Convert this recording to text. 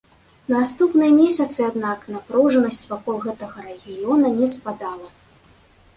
На наступныя месяцаў, аднак, напружанасць вакол гэтага рэгіёна не спадала.